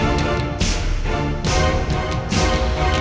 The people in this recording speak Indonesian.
udah sana pergi